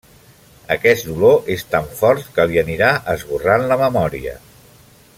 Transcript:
Aquest dolor és tan fort que li anirà esborrant la memòria.